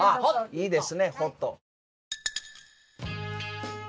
いいですねホット。